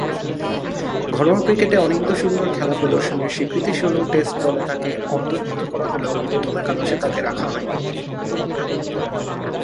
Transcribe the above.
ঘরোয়া ক্রিকেটে অনিন্দ্য সুন্দর খেলা প্রদর্শনের স্বীকৃতিস্বরূপ টেস্ট দলে তাকে অন্তর্ভুক্ত করা হলেও প্রথম একাদশে তাকে রাখা হয়নি।